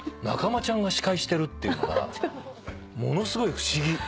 仲間ちゃんが司会してるっていうのがものすごい不思議。